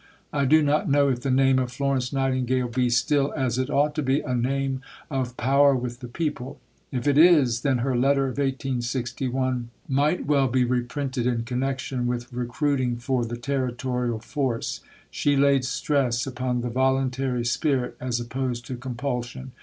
'" I do not know if the name of Florence Nightingale be still as it ought to be a name of power with the people. If it is, then her letter of 1861 might well be reprinted in connection with recruiting for the Territorial Force. She laid stress upon the voluntary spirit, as opposed to compulsion.